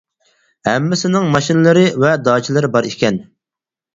ھەممىسىنىڭ ماشىنىلىرى ۋە داچىلىرى بار ئىكەن.